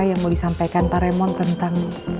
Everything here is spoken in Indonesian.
yang mau disampaikan pak remon tentang